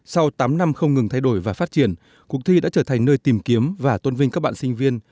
sau tám năm không ngừng thay đổi và phát triển cuộc thi đã trở thành nơi tìm kiếm và tôn vinh các bạn sinh viên